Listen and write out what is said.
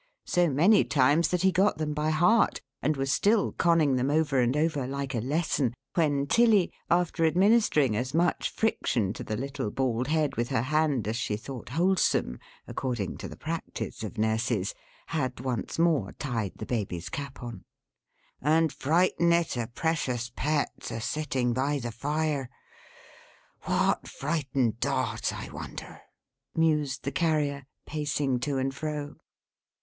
So many times that he got them by heart, and was still conning them over, and over, like a lesson, when Tilly, after administering as much friction to the little bald head with her hand as she thought wholesome (according to the practice of nurses), had once more tied the Baby's cap on. "And frighten it a Precious Pets, a sitting by the fire. What frightened Dot, I wonder!" mused the Carrier, pacing to and fro.